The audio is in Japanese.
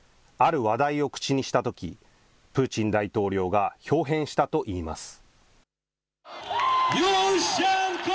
ある話題を口にしたときプーチン大統領がひょう変したといいます。